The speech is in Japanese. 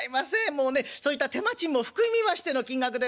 もうねそういった手間賃も含みましての金額でございます。